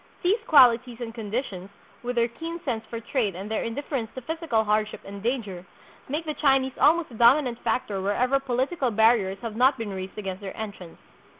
These qualities and conditions, with their keen sense for trade and their indifference to physical hardship and danger, make the Chinese almost a dominant factor wherever political barriers have not been raised against their entrance.